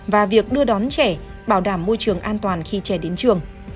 và việc đưa đón trẻ bảo đảm môi trường an toàn khi trẻ đến trường